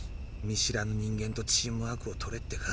見知らぬ人間とチームワークをとれってか。